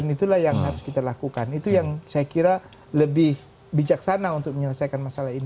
itu yang saya kira lebih bijaksana untuk menyelesaikan masalah ini